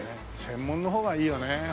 専門のほうがいいよね。